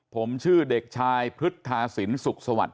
ผมชื่อเด็กชายพฤทธาสินสุขสวัสดิ